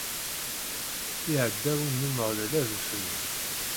Iɛdawen n Umeɣlal ad fnun.